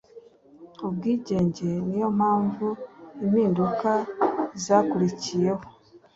ubwigenge Ni yo mpamvu impinduka zakurikiyeho